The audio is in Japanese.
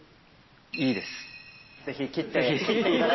ぜひ切って。